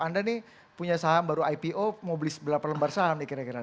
anda nih punya saham baru ipo mau beli berapa lembar saham nih kira kira